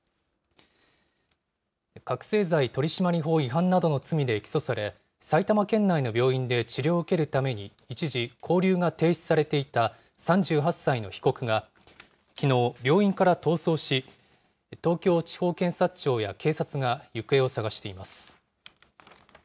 覚醒剤取締法違反などの罪で起訴され、埼玉県内の病院で治療を受けるために一時、勾留が停止されていた３８歳の被告が、きのう、病院から逃走し、東京地方検察庁や警察が行方を捜しています。